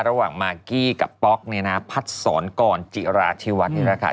ระหว่างมากกี้กับป๊อกพัดศรก่อนจิราชที่วัดนี่แหละค่ะ